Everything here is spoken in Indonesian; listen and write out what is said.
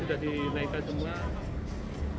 sudah dinaikan semua